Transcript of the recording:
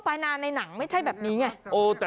แบบนี้คือแบบนี้คือแบบนี้คือแบบนี้คือ